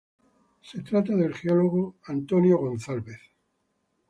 Se trataba del geólogo Harrison Schmitt.